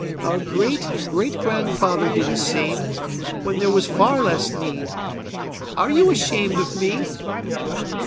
Our great great grandfather did the same, when there was far less need! Are you ashamed of me?"